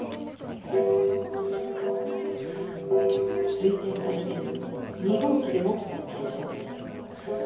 推定されている２号機で起きた現象です。